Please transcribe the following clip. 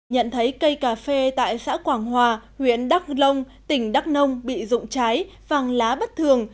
nhận thấy cây cà phê tại xã quảng hòa huyện đắc long tỉnh đắc nông bị rụng trái vàng lá bất thường